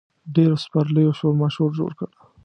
ډېرو سپرلیو شورماشور جوړ کړ.